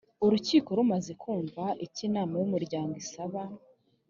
urukiko rumaze kumva icyo inama y’umuryango isaba